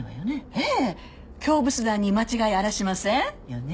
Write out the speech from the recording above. へえ京仏壇に間違いあらしません。よね。